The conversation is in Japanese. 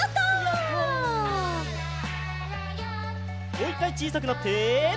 もういっかいちいさくなって。